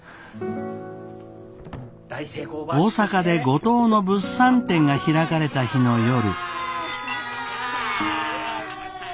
大阪で五島の物産展が開かれた日の夜。